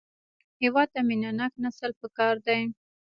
هېواد ته مینهناک نسل پکار دی